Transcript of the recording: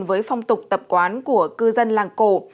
với phong tục tập quán của cư dân làng cổ